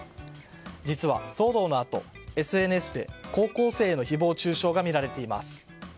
実は騒動のあと、ＳＮＳで高校生への誹謗中傷が見られています。